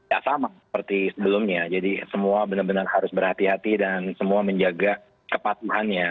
ya sama seperti sebelumnya jadi semua benar benar harus berhati hati dan semua menjaga kepatuhannya